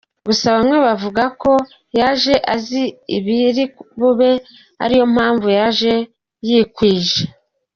Gusa bamwe bavuga ko yaje azi ibiri bube ari nayo mpamvu yaje yikwije.